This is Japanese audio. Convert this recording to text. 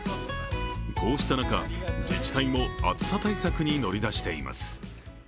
こうした中、自治体も暑さ対策に乗り出しています。